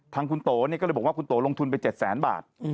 ทางคุณโตก็เลยบอกว่าคุณโตลงทุนไป๗แสนบาท